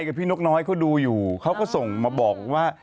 กับพี่นกน้อยเขาดูอยู่เขาก็ส่งมาบอกว่า